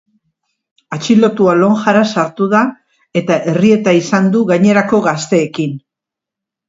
Atxilotua lonjara sartu da, eta errieta izan du gainerako gazteekin.